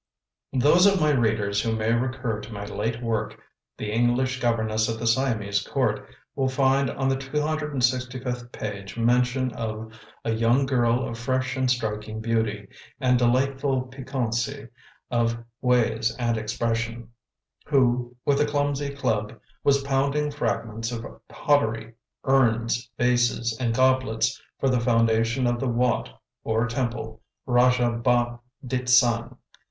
Those of my readers who may recur to my late work, "The English Governess at the Siamese Court," will find on the 265th page mention of "a young girl of fresh and striking beauty, and delightful piquancy of ways and expression, who, with a clumsy club, was pounding fragments of pottery urns, vases, and goblets for the foundation of the Watt (or Temple) Rajah Bah ditt Sang.